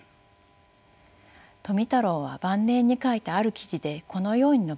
富太郎は晩年に書いたある記事でこのように述べています。